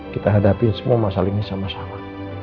kita hadapi semua masalah ini sama sama